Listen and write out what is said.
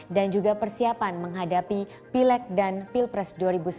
dan juga persiapan menghadapi pilek dan pilpres dua ribu sembilan belas